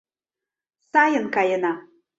Сайын каена.